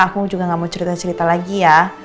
aku juga gak mau cerita cerita lagi ya